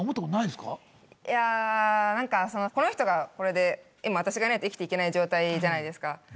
いや何かこの人がこれで今私がいないと生きていけない状態じゃないですか。